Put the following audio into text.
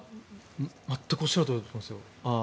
全くおっしゃるとおりだと思いますよ。